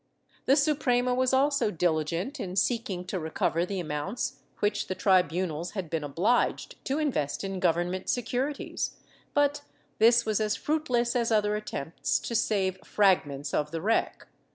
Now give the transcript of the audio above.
The Suprema was also diligent in seeking to recover the amounts which the tribunals had been obliged to invest in Government securities, but this was as fruitless as other attempts to save frag ments of the wreck.